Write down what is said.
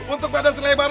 untuk prada selembang